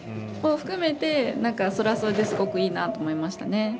それも含めて、それはそれですごくいいなと思いましたね。